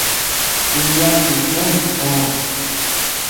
Dìya jitnoy pö.